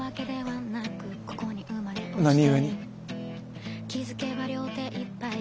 何故に。